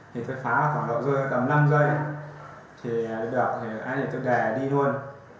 thì tôi phá khoảng độ rơi tầm năm giây thì được thì tôi đè đi luôn